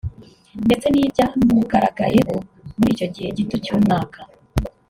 ndetse n’ibyamugaragayeho muri icyo gihe gito cy’umwaka